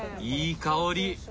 いい香り。